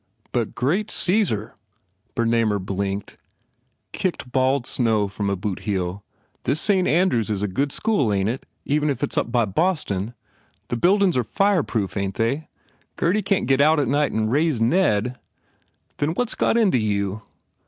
"But, great Caesar," Bernamer blinked, kick ing balled snow from a boot heel, "This Saint Andrew s is a good school ain t it, even if it is up by Boston? The buildin s are fire proof, ain t they? Gurdy can t git out at night and raise Ned? Then what s got into you?"